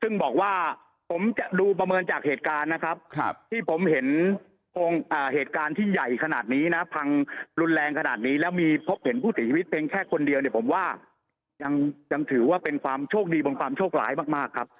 ซึ่งบอกว่าผมจะดูประเมินจากเหตุการณ์นะครับที่ผมเห็นเหตุการณ์ที่ใหญ่ขนาดนี้นะพังรุนแรงขนาดนี้แล้วมีพบเห็นผู้เสียชีวิตเพียงแค่คนเดียวเนี่ยผมว่ายังถือว่าเป็นความโชคดีบนความโชคร้ายมากครับ